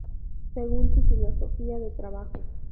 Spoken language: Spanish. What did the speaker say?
Según su filosofía de trabajo,